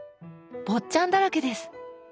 「坊っちゃん」だらけです。